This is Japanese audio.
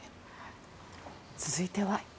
続いては。